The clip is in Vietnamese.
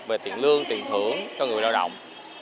về tiền lương tiền thưởng cho người lao động